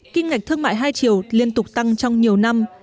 kinh ngạch thương mại hai triều liên tục tăng trong nhiều năm